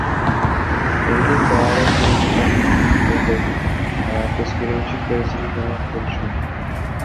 Элдин баары КСДПны колдобойт, а тескерисинче КСДПны жаман көрүшөт.